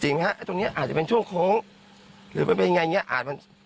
จริงอ่ะตรงเนี้ยอาจจะเป็นช่วงโค้งหรือว่าเป็นยังไงอย่างเงี้ยอาจมัน